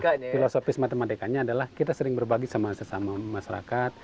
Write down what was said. filosofis matematikanya adalah kita sering berbagi sama sesama masyarakat